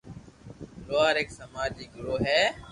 "لوهار"" هڪ سماجي گروه ھي"